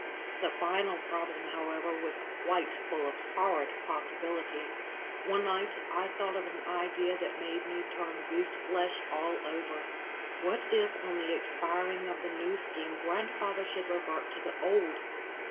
The final problem, however, was quite full of horrid possibility. One night I thought of an idea that made me turn goose flesh all over. What if on the expiring of the New Scheme grandfather should revert to the old?